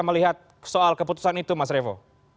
melihat soal keputusan itu mas revo